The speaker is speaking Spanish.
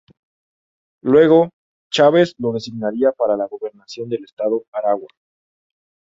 Luego, Chávez lo designaría para la gobernación del estado Aragua.